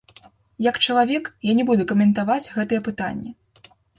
Як чалавек, я не буду каментаваць гэтыя пытанні.